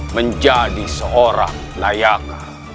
menjadi seorang layak